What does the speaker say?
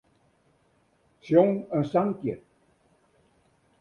Sjong in sankje.